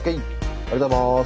ありがとうございます。